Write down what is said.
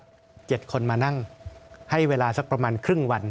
มีอีกหลายคนมานั่งให้เวลาสักประมาณครึ่งวัน